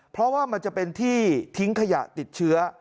เพราะว่ามันจะเป็นที่ทิ้งขยะติดเชื้อ